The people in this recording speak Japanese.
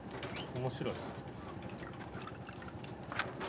面白い。